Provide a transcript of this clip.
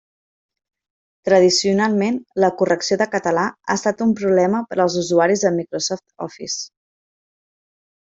Tradicionalment la correcció de català ha estat un problema per als usuaris de Microsoft Office.